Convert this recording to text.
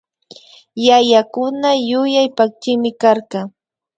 Yayakuna yuyay pakchimi karka